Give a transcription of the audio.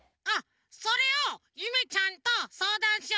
それをゆめちゃんとそうだんしようとおもって。